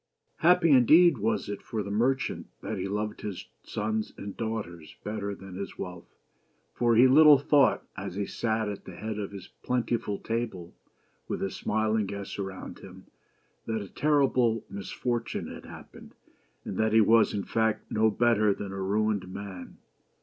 Happy indeed was it for the merchant that he loved his sons and daughters better than his wealth ; for he little thought, as he sat at the head of his plentiful table t with his smiling guests around him, that a terrible misfortune had happened, and that he was, in fact, no better than a ruined man.